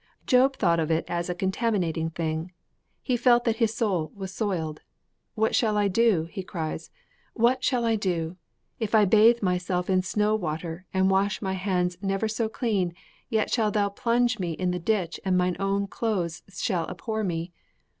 Job thought of it as a contaminating thing. He felt that his soul was soiled. 'What shall I do?' he cries, 'what shall I do? If I bathe myself in snow water and wash my hands never so clean, yet shalt Thou plunge me in the ditch and mine own clothes shall abhor me!'